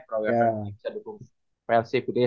prawira psv bisa dukung psv gitu ya